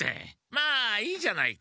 まあいいじゃないか。